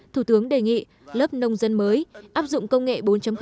thủ tướng đề nghị lớp nông dân mới áp dụng công nghệ bốn